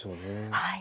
はい。